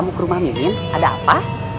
coba mah punya cucu kayak kamu